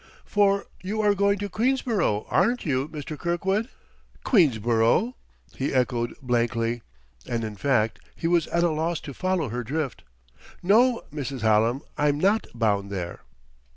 "For you are going to Queensborough, aren't you, Mr. Kirkwood?" "Queensborough?" he echoed blankly; and, in fact, he was at a loss to follow her drift. "No, Mrs. Hallam; I'm not bound there."